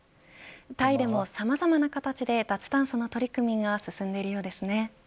タイでも、さまざまな形で脱炭素の取り組みが進んでいるようですね。